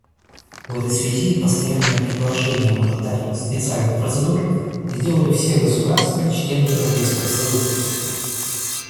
В этой связи постоянное приглашение мандатариям специальных процедур сделали все государства — члены Европейского союза.